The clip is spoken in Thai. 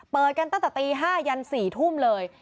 เปิดจากตี๕นยัน๔ทุ่มเลย